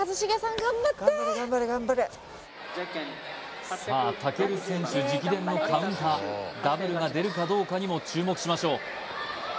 頑張れ頑張れ頑張れさあ武尊選手直伝のカウンターダブルが出るかどうかにも注目しましょう